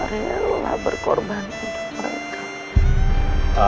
relah berkorban untuk mereka